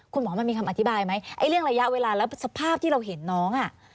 คุณหมอมันมีคำอธิบายไหมไอ้เรื่องระยะเวลาแล้วสภาพที่เราเห็นน้องอ่ะ